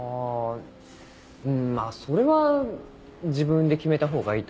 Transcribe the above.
まぁそれは自分で決めたほうがいいと思うよ。